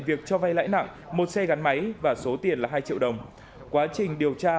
việc cho vay lãi nặng một xe gắn máy và số tiền là hai triệu đồng quá trình điều tra